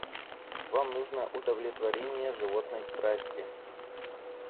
Вам нужно удовлетворение животной страсти...